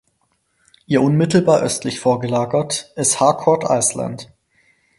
Ihr unmittelbar östlich vorgelagert ist Harcourt Island.